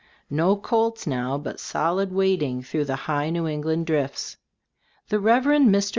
No colts now, but solid wading through the high New England drifts. The Rev. Mr.